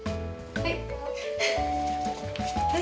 はい。